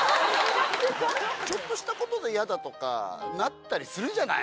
ちょっとしたことで嫌だとかなったりするじゃない。